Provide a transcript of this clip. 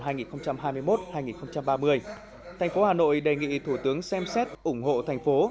trong đó đáng chú ý thành phố hà nội kiến nghị thủ tướng xem xét ủng hộ thành phố